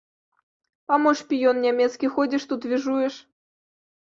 А мо шпіён нямецкі, ходзіш тут, віжуеш!